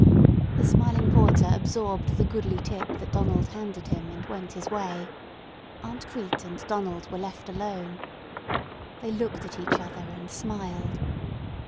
The smiling porter absorbed the goodly tip that Donald handed him, and went his way. Aunt Crete and Donald were left alone. They looked at each other and smiled.